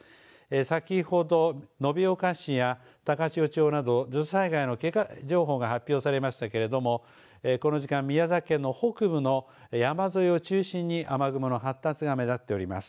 先ほど延岡市や高千穂町など土砂災害の警戒情報が発表されましたけれどもこの時間、宮崎県の北部の山沿いを中心に雨雲の発達が目立っております。